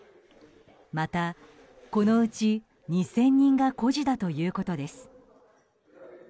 また、このうち２０００人が孤児だということです。